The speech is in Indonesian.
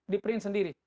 di print sendiri